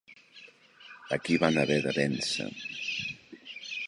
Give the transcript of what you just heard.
A qui van haver de vèncer?